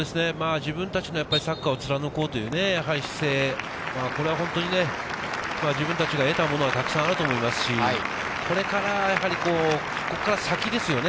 自分たちのサッカーを貫こうという姿勢、これは本当に自分たちが得たものはたくさんあると思いますし、ここから先ですよね。